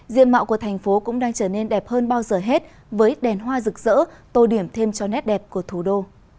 diện mạo của thành phố cũng đang trở nên đẹp hơn bao giờ hết với đèn hoa rực rỡ tô điểm thêm cho nét đẹp của thủ đô